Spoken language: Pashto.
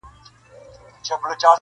تخت که هر څونه وي لوی نه تقسیمیږي!!